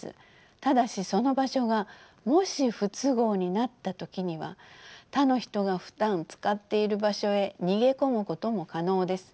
ただしその場所がもし不都合になった時には他の人がふだん使っている場所へ逃げ込むことも可能です。